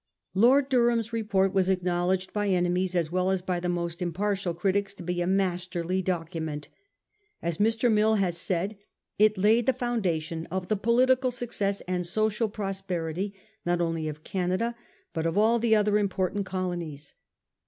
Lord Durham's report was acknowledged by ene mies as well as by the most impartial critics to be a masterly document. As Mr. Mill has said, it laid the foundation of the political success and social pros perity not only of Canada but of all the other impor tant colonies.